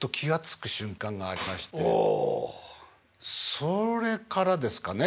それからですかね